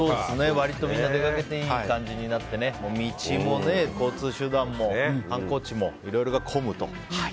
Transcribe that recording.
割とみんな出かけていい感じになって道も交通手段も観光地もいろいろが混むと。